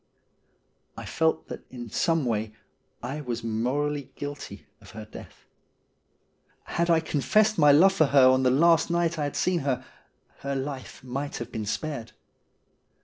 I felt that in some way I was morally guilty of her death. RUTH 159 Had I confessed my love for her on the last night I had seen her, her life might have been spared.